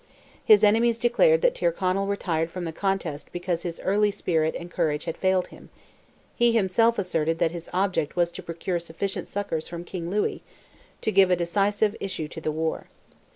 His enemies declared that Tyrconnell retired from the contest because his early spirit and courage had failed him; he himself asserted that his object was to procure sufficient succours from King Louis, to give a decisive issue to the war.